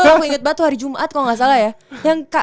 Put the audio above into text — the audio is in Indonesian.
aku inget banget tuh hari jumat kalo gak salah ya